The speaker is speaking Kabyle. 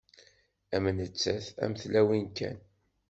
Am nettat am tlawin kan.